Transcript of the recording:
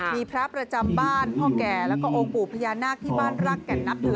มีพระประจำบ้านพ่อแก่แล้วก็องค์ปู่พญานาคที่บ้านรักแก่นนับถือ